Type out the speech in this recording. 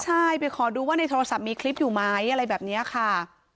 ใช่ไปขอดูว่าในโทรศัพท์มีคลิปอยู่ไหมอะไรแบบนี้ค่ะ